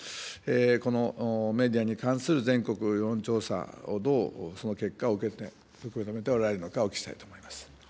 このメディアに関する全国世論調査を、どうその結果を受け止めておられるのか、お聞きしたいと思います。